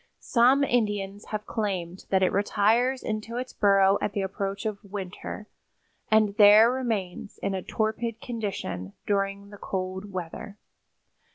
Some Indians have claimed that it retires into its burrow at the approach of winter, and there remains in a torpid condition during the cold weather.